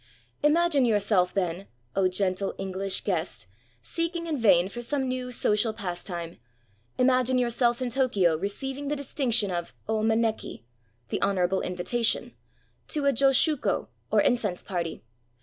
Imagine yourself, then, — oh, gentle EngUsh guest! seeking in vain for some new social pastime — imagine yourself in Tokyo receiving the distinction of 0 maneki — the honorable invitation — to a josshuko, or incense party.